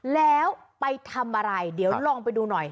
แล้วไปทำอะไรเดี๋ยวลองไปดูหน่อย